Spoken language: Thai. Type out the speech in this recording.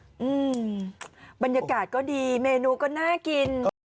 อืมบรรยากาศก็ดีเมนูก็น่ากิน